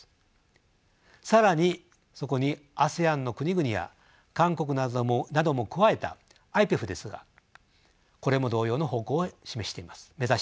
更にそこにＡＳＥＡＮの国々や韓国なども加えたＩＰＥＦですがこれも同様の方向を目指しています。